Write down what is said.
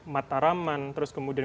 mataraman terus kemudian